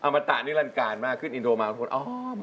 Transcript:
มาโรงแข่งเข้าหน่อย